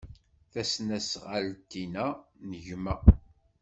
Tasnasɣalt-inna n gma.